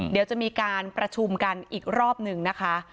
เดี๋ยวจะมีการประชุมกันอีกรอบหนึ่งนะคะ